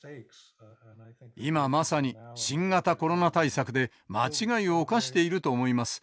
今まさに新型コロナ対策で間違いを犯していると思います。